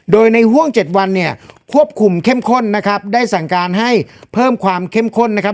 โดยในห่วง๗วันเนี่ยควบคุมเข้มข้นนะครับได้สั่งการให้เพิ่มความเข้มข้นนะครับ